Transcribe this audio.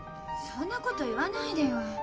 そんなこと言わないでよ。